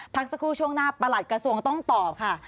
พักสักครู่ช่วงหน้าประหลัดกระทรวงต้องตอบค่ะ